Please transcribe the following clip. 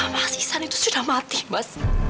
mas isan itu sudah mati mas